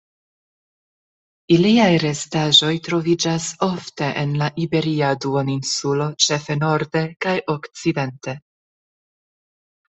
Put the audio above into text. Iliaj restaĵoj troviĝas ofte en la Iberia Duoninsulo ĉefe norde kaj okcidente.